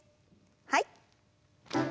はい。